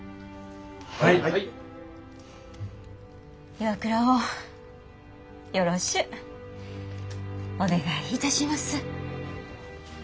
ＩＷＡＫＵＲＡをよろしゅうお願いいたします。